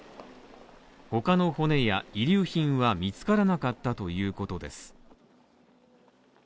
他の骨や遺留品は見つからなかったということです。